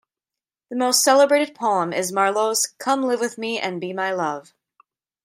The most celebrated poem is Marlowe's 'Come live with me and be my love'.